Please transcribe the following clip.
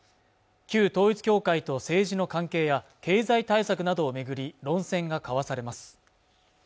旧統一教会と政治の関係や経済対策などを巡り論戦が交わされます